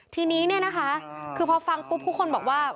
ทีนี้เนี่ยนะคะคือพอฟังปุ๊บทุกคนบอกว่า